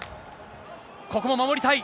ここも守りたい。